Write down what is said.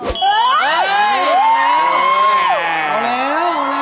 เออออกแล้ว